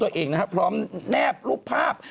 แววมาก